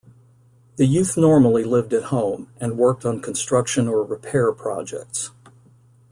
The youth normally lived at home, and worked on construction or repair projects.